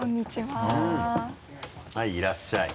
はいいらっしゃい。